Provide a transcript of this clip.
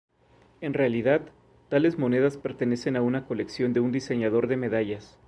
En realidad, tales monedas pertenecen a una colección de un diseñador de medallas.